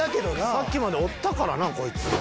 さっきまでおったからな。